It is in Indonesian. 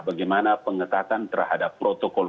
bagaimana pengetahuan terhadap protokol